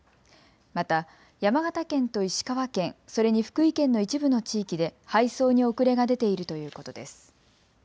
また山形県と石川県、それに福井県の一部の地域で配送に遅れが出ているということです。